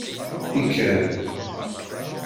Ikad!